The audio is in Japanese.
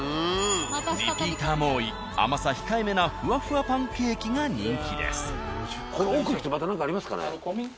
リピーターも多い甘さ控えめなふわふわパンケ―キが人気です。